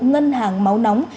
ngân hàng máu nóng